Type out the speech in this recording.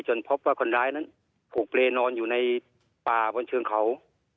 พบว่าคนร้ายนั้นถูกเปรย์นอนอยู่ในป่าบนเชิงเขา